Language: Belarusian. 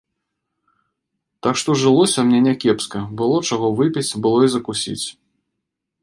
Так што жылося мне някепска, было чаго выпіць, было і закусіць.